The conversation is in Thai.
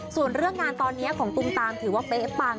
ส่วนเรื่องงานตอนนี้ของตุมตามถือว่าเป๊ะปัง